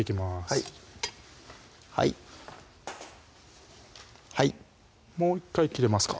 はいはいはいもう１回切れますか？